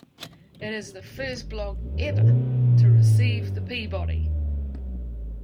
It is the first blog ever to receive the Peabody.